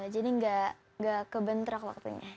jadi nggak kebentrak waktunya